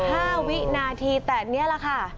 แค่๑๕วินาทีแต่เนี่ยแหละค่ะ